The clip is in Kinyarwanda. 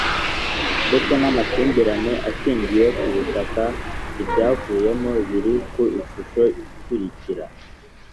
ndetse n amakimbirane ashingiye ku butaka Ibyavuyemo biri ku ishusho ikurikira